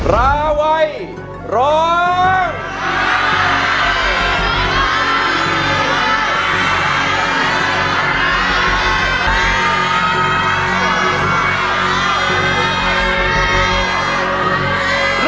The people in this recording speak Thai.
ราวัยร้อง